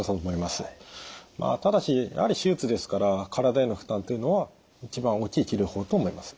ただしやはり手術ですから体への負担というのは一番大きい治療法と思います。